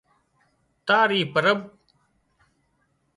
تار اي پرٻ